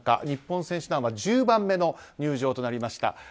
日本選手団は１０番目の入場となりました。